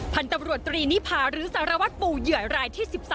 พันธุ์ตำรวจตรีนิพาหรือสารวัตรปู่เหยื่อรายที่๑๓